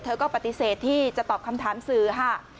เธอก็ปฏิเสธที่จะตอบคำถามสื่อค่ะ